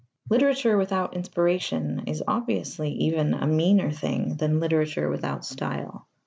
Literature without inspiration is obviously even a meaner thing than literature without style.